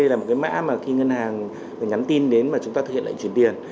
đây là một cái mã mà khi ngân hàng nhắn tin đến mà chúng ta thực hiện lệnh chuyển tiền